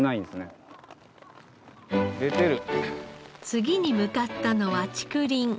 次に向かったのは竹林。